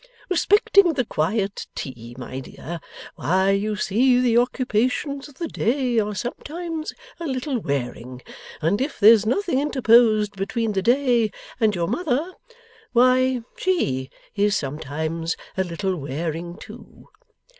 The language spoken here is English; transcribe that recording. Respecting the quiet tea, my dear, why you see the occupations of the day are sometimes a little wearing; and if there's nothing interposed between the day and your mother, why SHE is sometimes a little wearing, too.